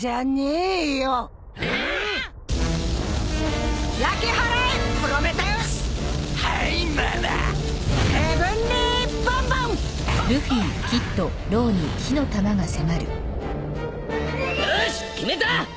よーし決めた！